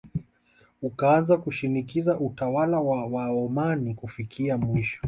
Ukaanza kushinikiza utawala wa Waomani Kufikia mwisho